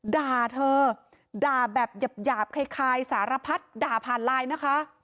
ด่าเธอด่าแบบหยาบคล้ายสารพัดด่าผ่านไลน์นะคะ